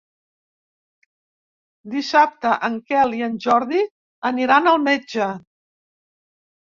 Dissabte en Quel i en Jordi aniran al metge.